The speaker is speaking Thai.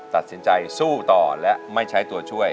ตัดสินใจสู้ต่อและไม่ใช้ตัวช่วย